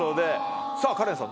さぁカレンさん